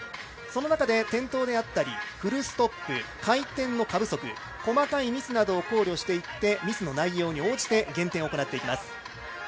その中で転倒であったりフルストップ回転の過不足細かいミスなどを考慮していってミスの内容に応じて減点を行っていきます。